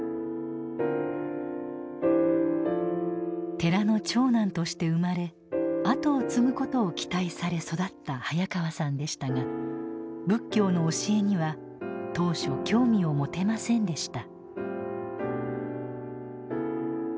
寺の長男として生まれあとを継ぐことを期待され育った早川さんでしたが仏教の教えには当初興味を持てませんでした。